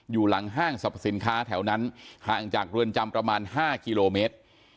อยู่หลังห้างสรรพสินค้าแถวนั้นห่างจากเรือนจำประมาณ๕กิโลเมตร